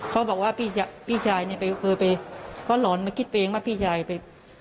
เขาบอกว่าพี่ชายเนี่ยไปเคยไปเขาหลอนมาคิดเองว่าพี่ชายไป